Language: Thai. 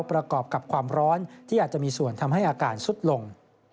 ประกอบกับความร้อนที่อาจจะมีส่วนทำให้อาการสุดลง